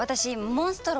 モンストロ？